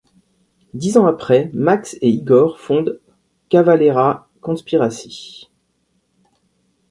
Dix ans après, Max et Igor fondent Cavalera Conspiracy.